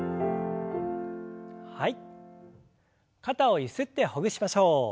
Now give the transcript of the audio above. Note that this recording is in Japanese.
肩をゆすってほぐしましょう。